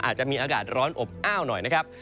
อาจจะมีอากาศร้อนอบอ้าวหน่อยนะครับ